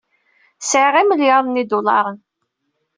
Sɛiɣ imelyaren n yidularen.